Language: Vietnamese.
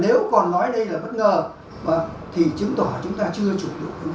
nếu còn nói đây là bất ngờ thì chứng tỏ chúng ta chưa chủ động phân chống